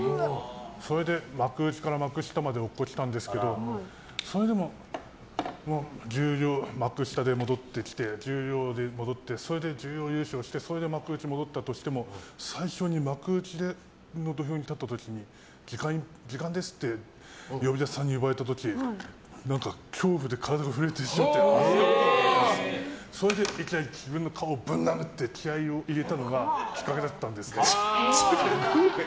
それで幕内から幕下まで落っこちたんですけどそれでも幕下で戻ってきてそれで準優勝してそれで幕内戻ったとしても最初に幕内戻った時に時間ですって呼び出しさんに呼ばれた時何か恐怖で体が震えてきちゃってそれで、いきなり自分の顔をぶん殴って気合を入れたのがきっかけだったんです。